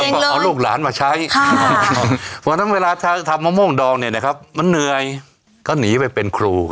ก็เอาลูกหลานมาใช้เพราะฉะนั้นเวลาทำมะม่วงดองเนี่ยนะครับมันเหนื่อยก็หนีไปเป็นครู